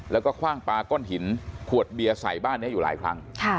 แล้วก็คว่างปลาก้อนหินขวดเบียร์ใส่บ้านนี้อยู่หลายครั้ง